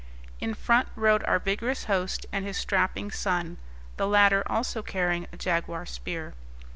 In front rode our vigorous host and his strapping son, the latter also carrying a jaguar spear.